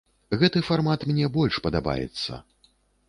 Гэты фармат мне больш падабаецца.